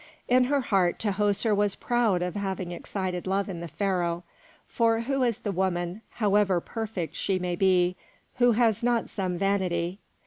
In her heart, Tahoser was proud of having excited love in the Pharaoh; for who is the woman, however perfect she may be, who has not some vanity.